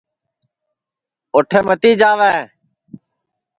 اُوٹھے متی جاوے